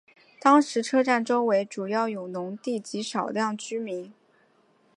当时车站周围主要有农地及少量民居。